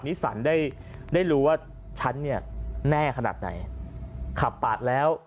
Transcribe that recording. สันได้ได้รู้ว่าฉันเนี่ยแน่ขนาดไหนขับปาดแล้ว